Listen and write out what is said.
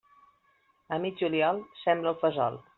A mig juliol sembra el fesol.